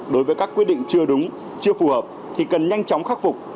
đối với các quyết định chưa đúng chưa phù hợp thì cần nhanh chóng khắc phục